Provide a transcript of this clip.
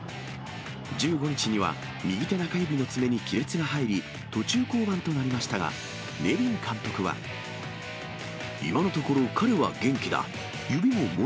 １５日には、右手中指の爪に亀裂が入り、途中降板となりましたが、今のところ、彼は元気だ。